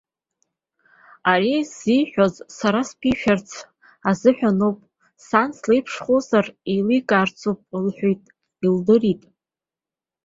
Ари зиҳәаз сара сԥишәарц азыҳәаноуп, сан слеиԥшхозар еиликаарцоуп лҳәеит, илдырит.